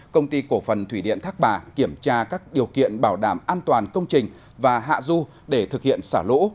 công ty cổ phần thủy điện thác bà kiểm tra các điều kiện bảo đảm an toàn công trình và hạ du để thực hiện xả lũ